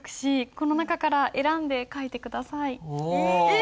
え？